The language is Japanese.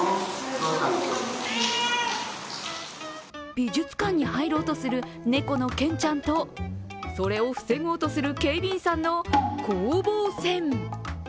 美術館に入ろうとする猫のケンちゃんとそれを防ごうとする警備員さんの攻防戦。